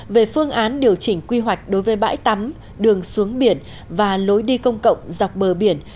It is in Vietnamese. về phương án điều chỉnh quy hoạch đối với bãi tắm đường xuống biển và lối đi công cộng dọc bờ biển